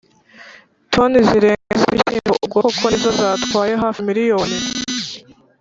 toni zirenga z’ibishyimbo ubwo koko nizo zatwaye hafi miriyoni